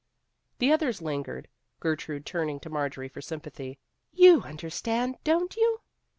The others lingered, Gertrude turning to Marjorie for sympathy. "You under stand, don't you?"